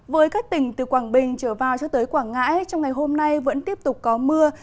với các tỉnh từ quảng bình trở vào cho tới quảng ngãi trong ngày hôm nay vẫn tiếp tục có mưa